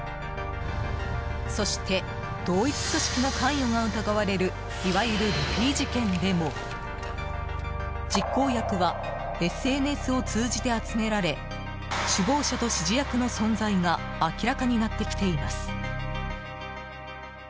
そして同一組織の関与が疑われるいわゆるルフィ事件でも実行役はＳＮＳを通じて集められ首謀者と指示役の存在が明らかになってきています。